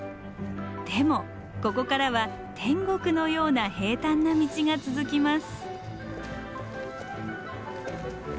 でもここからは天国のような平たんな道が続きます。